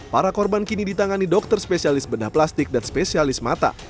para korban kini ditangani dokter spesialis bedah plastik dan spesialis mata